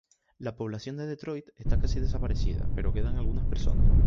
La población de Detroit está casi desaparecida, pero quedan algunas personas.